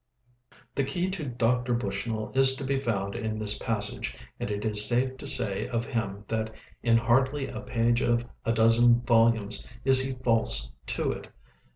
The key to Dr. Bushnell is to be found in this passage, and it is safe to say of him that in hardly a page of a dozen volumes is he false to it.